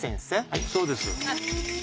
はいそうです。